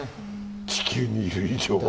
地球にいる以上は。